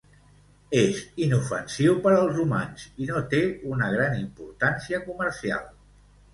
És inofensiu per als humans i no té una gran importància comercial.